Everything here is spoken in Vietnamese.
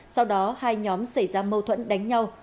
sau đó hai nhóm xảy ra mâu thuẫn đánh nhau